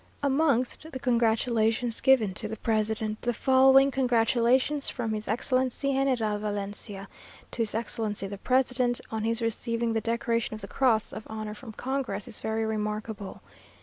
Amongst the congratulations given to the president, the following "congratulation from his Excellency General Valencia to his Excellency the President, on his receiving the decoration of the cross of honour from congress," is very remarkable.